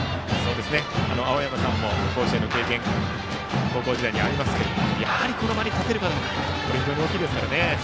青山さんも甲子園の経験が高校時代にありますけどもやはりこの場に立てることが非常に多いですからね。